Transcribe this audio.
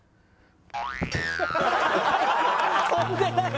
跳んでない。